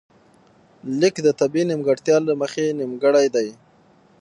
ليک د طبیعي نیمګړتیا له مخې نیمګړی دی